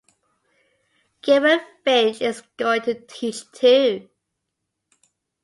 Gilbert Finch is going to teach, too.